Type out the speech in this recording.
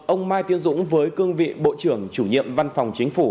ông mai tiến dũng với cương vị bộ trưởng chủ nhiệm văn phòng chính phủ